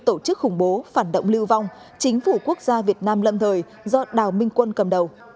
tổ chức khủng bố phản động lưu vong chính phủ quốc gia việt nam lâm thời do đào minh quân cầm đầu